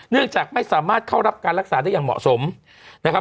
เนื่องจากไม่สามารถเข้ารับการรักษาได้อย่างเหมาะสมนะครับ